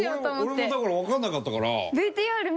俺もだからわからなかったから。